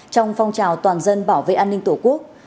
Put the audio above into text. trong phong trào toàn dân bảo vệ an ninh tổ quốc